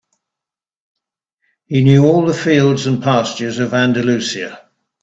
He knew all the fields and pastures of Andalusia.